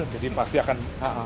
jadi pasti akan